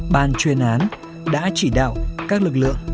ban chuyên án đã chỉ đạo các lực lượng